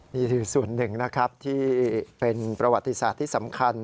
นี่คือส่วนหนึ่งนะครับที่เป็นประวัติศาสตร์ที่สำคัญ